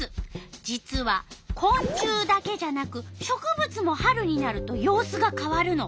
実はこん虫だけじゃなく植物も春になると様子が変わるの。